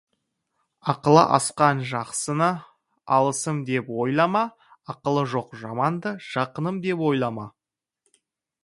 Ақылы асқан жақсыны «алысым» деп ойлама; ақылы жоқ жаманды «жақыным» деп ойлама.